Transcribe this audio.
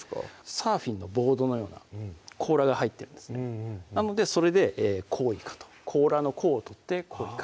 サーフィンのボードのような甲羅が入っているんですねなのでそれで「コウイカ」と甲羅の甲を取って「甲いか」